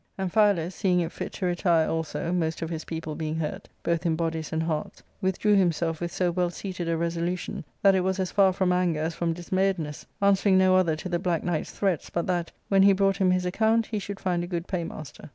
Amphialus seeing it fit to retire also, most of his people being hurt, both in bodies and hearts, withdrew himself with so well seated a resolution that it was as far from anger as from dismayedness, answering no other to the black knight's threats but that, when he brought him his account, he should find a good paymaster.